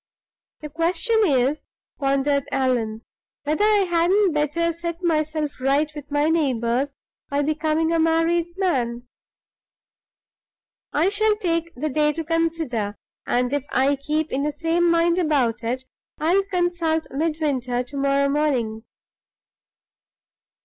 "The question is," pondered Allan, "whether I hadn't better set myself right with my neighbors by becoming a married man? I'll take the day to consider; and if I keep in the same mind about it, I'll consult Midwinter to morrow morning."